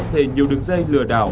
thề nhiều đứng dây lừa đảo